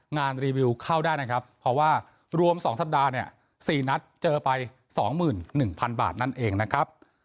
งานรีวิวเข้าได้นะครับเพราะว่ารวม๒สัปดาห์เนี่ย๔นัดเจอไป๒๑๐๐๐บาทนั่นเองนะครับ